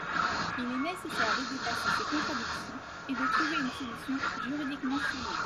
Il est nécessaire de dépasser ces contradictions et de trouver une solution juridiquement solide.